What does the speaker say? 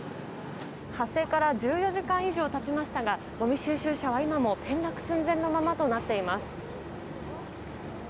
発生から１４時間以上経ちましたがごみ収集車は今も転落寸前のままとなっています。